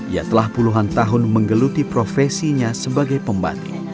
ia telah puluhan tahun menggeluti profesinya sebagai pembatik